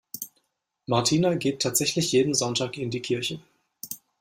Martina geht tatsächlich jeden Sonntag in die Kirche.